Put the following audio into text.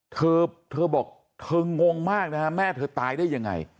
เธอเธอบอกเธองงมากนะฮะแม่เธอตายได้ยังไง